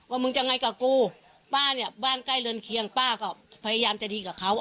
มึงจะไงกับกูป้าเนี่ยบ้านใกล้เรือนเคียงป้าก็พยายามจะดีกับเขา